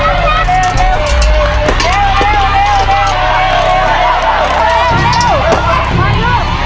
ขายเร็ว